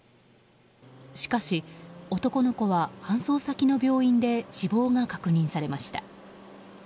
しかし男の子は搬送先の病院で死亡が確認されました。